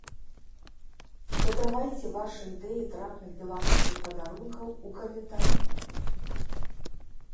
Дадавайце вашы ідэі трапных беларускіх падарункаў у каментары.